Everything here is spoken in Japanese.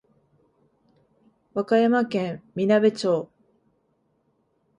和歌山県みなべ町